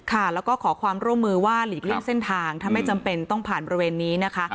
ค่ะแล้วก็ขอความร่วมมือว่าหลีกเลี่ยงเส้นทางถ้าไม่จำเป็นต้องผ่านบริเวณนี้นะคะ